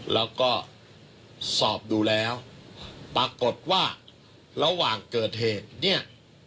แล้วก็สอบดูแล้วปรากฏว่าระหว่างเกิดเหตุเนี่ย